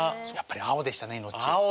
やっぱり青でしたねイノッチ。